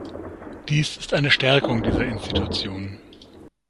Das ist eine Stärkung dieser Institution.